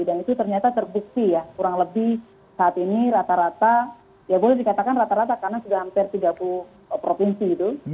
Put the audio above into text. dan itu ternyata terbukti ya kurang lebih saat ini rata rata ya boleh dikatakan rata rata karena sudah hampir tiga puluh provinsi itu